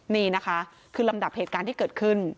นี่นะคะคือลำดับเหตุการณ์ที่เกิดขึ้น